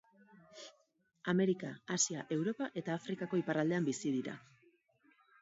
Amerika, Asia, Europa eta Afrikako iparraldean bizi dira.